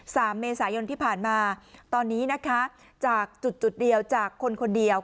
สามเมษายนที่ผ่านมาตอนนี้นะคะจากจุดจุดเดียวจากคนคนเดียว